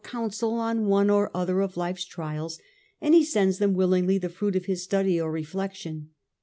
179 counsel on one or other of life's trials, and he sends them willingly the fruit of his study or reflexion.